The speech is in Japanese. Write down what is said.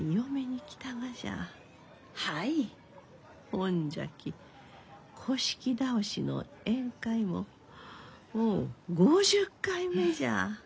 ほんじゃき倒しの宴会ももう５０回目じゃ。